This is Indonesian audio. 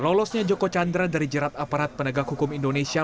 lolosnya joko chandra dari jerat aparat penegak hukum indonesia